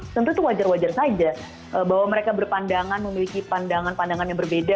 tentu itu wajar wajar saja bahwa mereka berpandangan memiliki pandangan pandangan yang berbeda